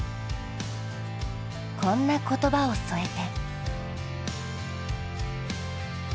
こんな言葉を添えて。